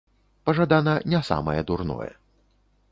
Пажадана не самае дурное.